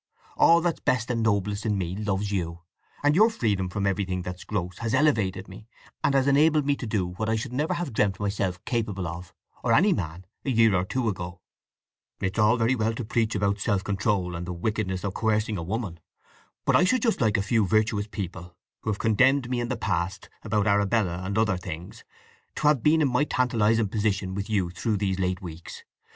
All that's best and noblest in me loves you, and your freedom from everything that's gross has elevated me, and enabled me to do what I should never have dreamt myself capable of, or any man, a year or two ago. It is all very well to preach about self control, and the wickedness of coercing a woman. But I should just like a few virtuous people who have condemned me in the past, about Arabella and other things, to have been in my tantalizing position with you through these late weeks!